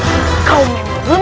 jangan lupa untuk berlangganan